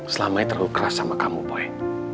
selamanya terlalu keras sama kamu boy